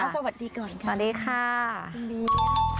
สวัสดีก่อนค่ะสวัสดีค่ะคุณบี